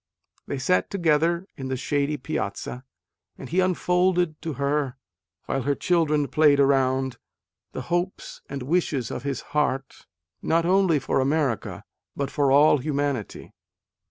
They sat together on the shady piazza, and he unfolded to her, while her children played around, the hopes and wishes of his heart not A DAY WITH WALT WHITMAN. only for America but for all humanity.